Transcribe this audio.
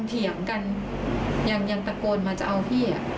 คนบนตะพี่ยังเถียงกันยังตะโกนมาจะเอาพี่